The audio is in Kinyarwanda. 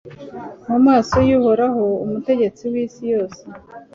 mu maso y'uhoraho, umutegetsi w'isi yose